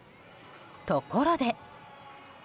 ところで。